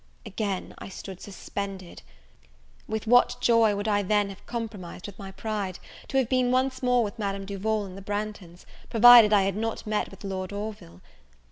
Again I stood suspended. With what joy would I then have compromised with my pride, to have been once more with Madame Duval and the Branghtons, provided I had not met with Lord Orville!